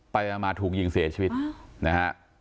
ไปมาถูกยิงเสียชีวิตนะฮะ